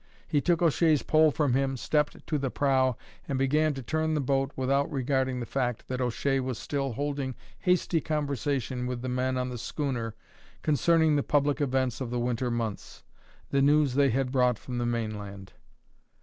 He took O'Shea's pole from him, stepped to the prow, and began to turn the boat, without regarding the fact that O'Shea was still holding hasty conversation with the men on the schooner concerning the public events of the winter months the news they had brought from the mainland.